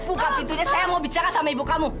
buka pintunya saya mau bicara sama ibu kamu